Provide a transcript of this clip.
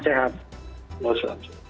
terima kasih salam sehat